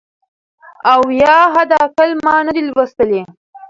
او یا حد اقل ما نه دی لوستی .